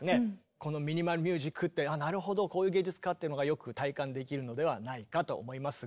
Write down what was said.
このミニマル・ミュージックってなるほどこういう芸術かっていうのがよく体感できるのではないかと思いますが。